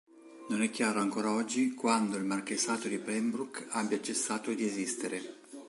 Non è chiaro ancora oggi quando il marchesato di Pembroke abbia cessato di esistere.